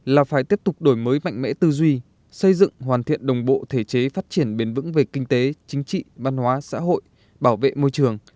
là phải tiếp tục đổi mới mạnh mẽ tư duy xây dựng hoàn thiện đồng bộ thể chế phát triển bền vững về kinh tế chính trị văn hóa xã hội bảo vệ môi trường